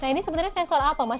nah ini sebenarnya sensor apa mas